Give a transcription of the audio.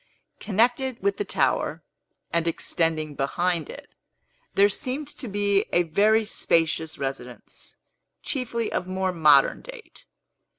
Connected with the tower, and extending behind it, there seemed to be a very spacious residence, chiefly of more modern date.